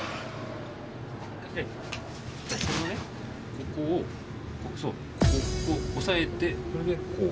ここをそうここをこう押さえてそれでこう。